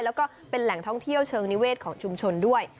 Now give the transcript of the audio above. แล้วก็เป็นแหล่งท่องเที่ยวเชิงนิเวศของชุมชนด้วย